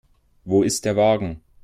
Wo ist der Wagen?